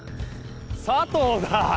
佐藤だ。